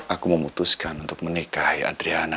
aku memutuskan untuk menikahi adriana